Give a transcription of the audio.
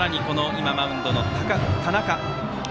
今マウンドの田中。